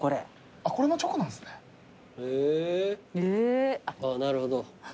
あっなるほど。